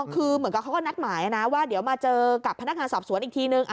คือเหมือนกับเขาก็นัดหมายนะว่าเดี๋ยวมาเจอกับพนักงานสอบสวนอีกทีนึง